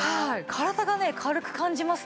体がね軽く感じますね。